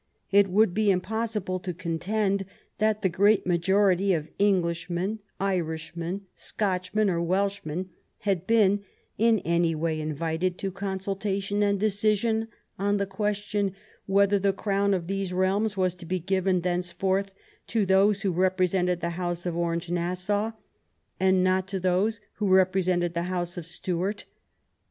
It would be impossible to contend that the great majority of Englishmen, Irishmen, Scotch men, and Welshmen had been in any way invited to consultation and decision on the question whether the crown of these realms was to be given thenceforward to those who represented the house of Orange Nassau, and not to those who represented the house of Stuart.